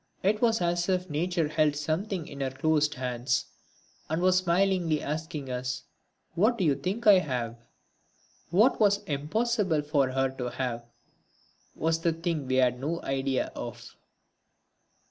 It was as if nature held something in her closed hands and was smilingly asking us: "What d'you think I have?" What was impossible for her to have was the thing we had no idea of.